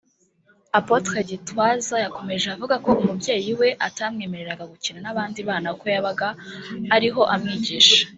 Apotre Gitwaza yakomeje avuga ko umubyeyi we atamwemereraga gukina n’abandi bana kuko yabaga ariho amwigisha